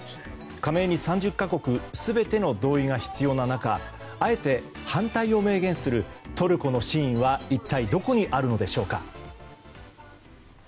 加盟に３０か国全ての同意が必要な中あえて反対を明言するトルコの真意は一体どこにあるのでしょうか。